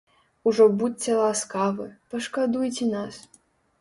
Ужо будзьце ласкавы, пашкадуйце нас.